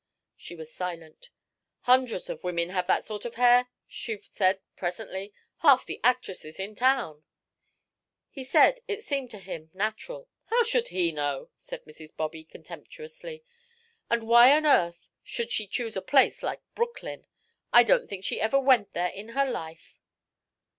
She was silent. "Hundreds of women have that sort of hair," she said, presently. "Half the actresses in town" "He said it seemed to him natural." "How should he know?" said Mrs. Bobby, contemptuously. "And why on earth should she choose a place like Brooklyn? I don't think she ever went there in her life."